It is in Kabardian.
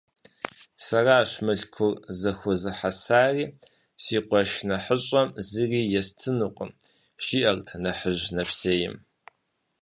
- Сэращ мылъкур зэхуэзыхьэсари, си къуэш нэхъыщӀэм зыри естынукъым, - жиӀэрт нэхъыжь нэпсейм.